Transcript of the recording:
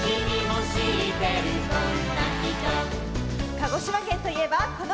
鹿児島県といえばこのかた！